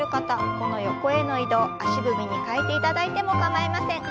この横への移動足踏みに変えていただいても構いません。